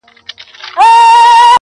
چې د کندهار وي او د میلې لپاره تللي وي